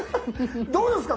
どうですか